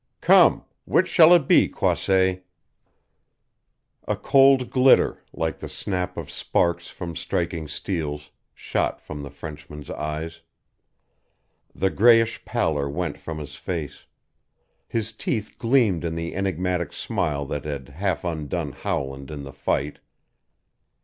"Come, which shall it be, Croisset?" A cold glitter, like the snap of sparks from striking steels, shot from the Frenchman's eyes. The grayish pallor went from his face. His teeth gleamed in the enigmatic smile that had half undone Howland in the fight.